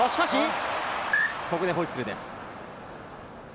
ここでホイッスルです。